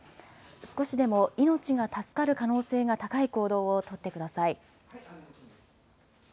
少しでも命が助かる可能性が高い行動を取ってください。